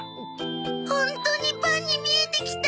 ホントにパンに見えてきた！